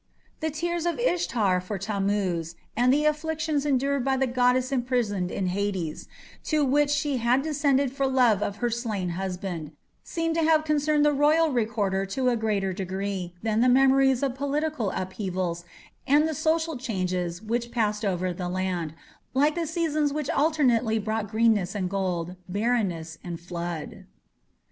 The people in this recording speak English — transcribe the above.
The tears of Ishtar for Tammuz, and the afflictions endured by the goddess imprisoned in Hades, to which she had descended for love of her slain husband, seemed to have concerned the royal recorder to a greater degree than the memories of political upheavals and the social changes which passed over the land, like the seasons which alternately brought greenness and gold, barrenness and flood.